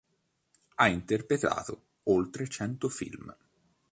Ha interpretato oltre cento film.